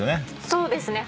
そうですね。